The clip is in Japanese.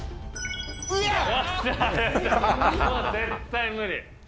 絶対無理。